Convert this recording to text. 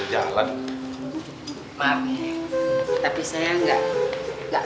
perhiasan imitasi kayak gitu